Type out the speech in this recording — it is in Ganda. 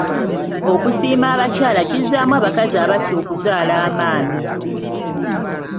Okusiima abakyala kizzaamu abakazi abatya okuzaala amaanyi.